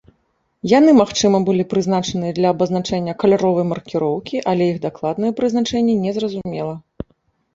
Яны, магчыма, былі прызначаныя для абазначэння каляровай маркіроўкі, але іх дакладнае прызначэнне незразумела.